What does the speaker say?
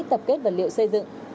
để tập kết vật liệu xây dựng